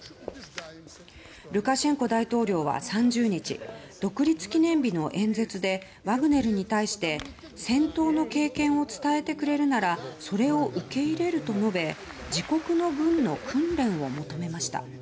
ルカシェンコ大統領は３０日独立記念日の演説でワグネルに対して戦闘の経験を伝えてくれるならそれを受け入れると述べ自国の軍の訓練を求めました。